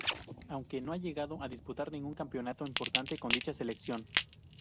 Aunque no ha llegado a disputar ningún campeonato importante con dicha selección.